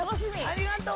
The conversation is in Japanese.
ありがとう。